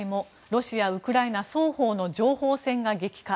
ロシア、ウクライナ双方の情報戦が激化。